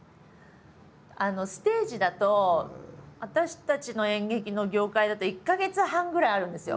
ステージだと私たちの演劇の業界だと１か月半ぐらいあるんですよ